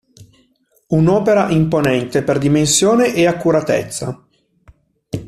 Un'opera imponente per dimensione e accuratezza.